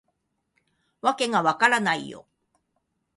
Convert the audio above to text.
わけが分からないよ